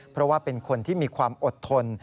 เพราะว่าเป็นคนที่มีความอดทน